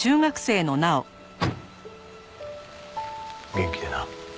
元気でな。